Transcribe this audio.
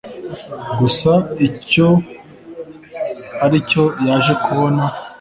gusa icyo aricyo yaje kubona.